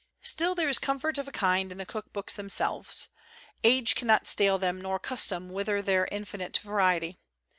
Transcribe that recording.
Still, there is comfort of a kind in the cook books themselves. Age cannot stale them nor custom wither their infinite variety.